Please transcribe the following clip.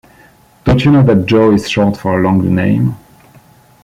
Don't you know that Jo is short for a longer name?